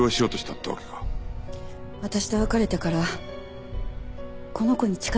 私と別れてからこの子に近づいてきて。